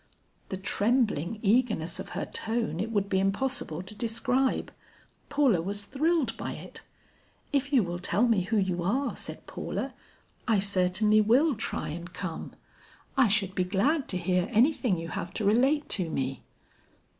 The trembling eagerness of her tone it would be impossible to describe. Paula was thrilled by it. "If you will tell me who you are," said Paula, "I certainly will try and come. I should be glad to hear anything you have to relate to me."